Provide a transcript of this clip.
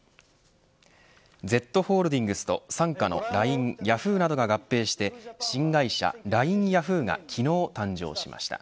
Ｚホールディングスと傘下のＬＩＮＥ、ヤフーなどが合併して新会社ＬＩＮＥヤフーが昨日、誕生しました。